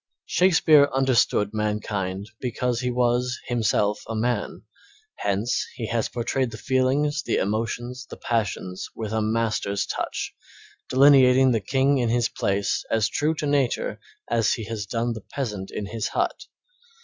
Shakespeare understood mankind because he was himself a man; hence he has portrayed the feelings, the emotions, the passions with a master's touch, delineating the king in his palace as true to nature as he has done the peasant in his hut.